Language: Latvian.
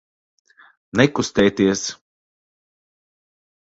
Nekustēties!